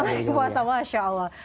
puasa masya allah